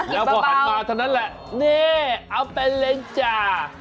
แล้วพอหันมาเท่านั้นแหละนี่เอาเป็นเลยจ้า